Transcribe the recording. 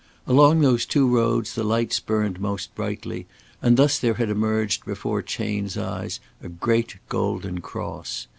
Along those two roads the lights burned most brightly, and thus there had emerged before Chayne's eyes a great golden cross.